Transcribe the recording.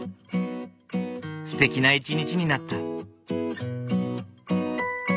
すてきな一日になった。